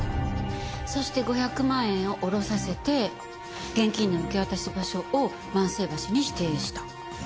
そして５００万円を下ろさせて現金の受け渡し場所を万世橋に指定した。